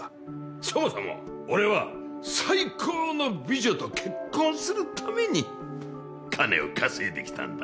そもそも俺は最高の美女と結婚するために金を稼いできたんだ。